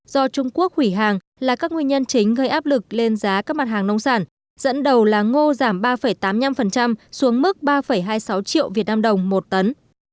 do trung quốc hủy hàng là các nguyên nhân chính gây áp lực lên giá các mặt hàng nông sản dẫn đầu là ngô giảm ba tám mươi năm xuống mức ba hai mươi sáu triệu việt nam đồng một tấn